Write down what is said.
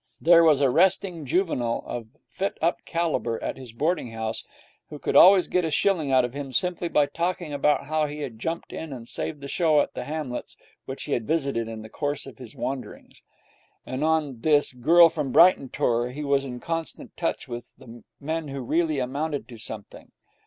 There was a resting juvenile, of fit up calibre, at his boarding house who could always get a shilling out of him simply by talking about how he had jumped in and saved the show at the hamlets which he had visited in the course of his wanderings. And on this 'Girl From Brighton' tour he was in constant touch with men who really amounted to something.